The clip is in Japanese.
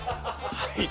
はい。